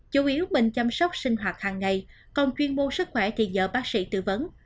chủ yếu mình chăm sóc sinh hoạt hàng ngày còn chuyên môn sức khỏe thì do bác sĩ tư vấn